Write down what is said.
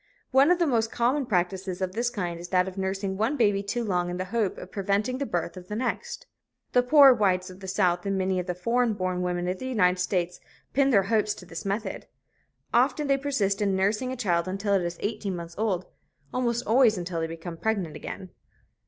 One of the most common practices of this kind is that of nursing one baby too long in the hope of preventing the birth of the next. The "poor whites" of the South and many of the foreign born women of the United States pin their hopes to this method. Often they persist in nursing a child until it is eighteen months old almost always until they become pregnant again.